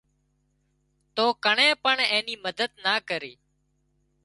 تو ڪڻين پڻ اين مدد نا ڪرِي